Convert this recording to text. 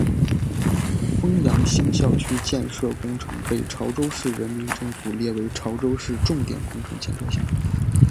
枫洋新校区建设工程被潮州市人民政府列为潮州市重点工程建设项目。